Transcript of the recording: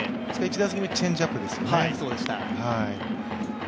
１打席目、チェンジアップですよね。